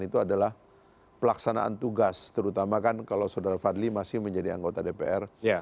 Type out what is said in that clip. itu adalah pelaksanaan tugas terutama kan kalau saudara fadli masih menjadi anggota dpr